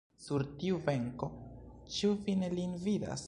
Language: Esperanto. Sur tiu benko, ĉu vi ne lin vidas!